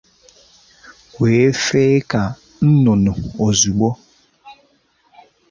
wee féé ka nnụnụ ozigbo